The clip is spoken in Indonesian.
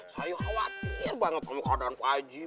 saya khawatir banget sama keadaan pak waji